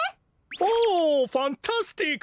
おファンタスティック！